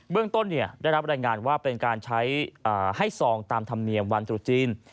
เรื่องต้นได้รับรายงานว่าเป็นการใช้ให้ซองตามธรรมเนียมวันตรุษจีน